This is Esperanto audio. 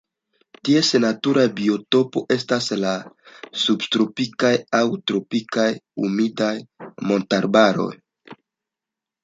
Ties natura biotopo estas la subtropikaj aŭ tropikaj humidaj montarbaroj.